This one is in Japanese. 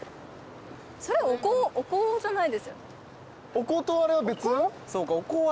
お香とあれは別？